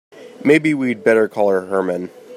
Maybe we'd better call Herman.